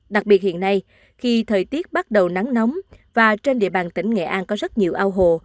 đặc biệt hiện nay khi thời tiết bắt đầu nắng nóng và trên địa bàn tỉnh nghệ an có rất nhiều ao hồ